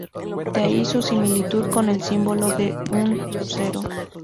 De ahí su similitud con el símbolo de un lucero.